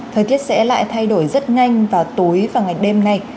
thời tiết sẽ lại thay đổi rất nhanh vào tối và ngày đêm nay